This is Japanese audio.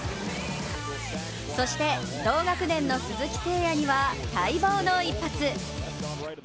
そして同学年の鈴木誠也には待望の一発。